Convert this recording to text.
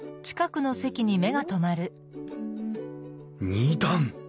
２段！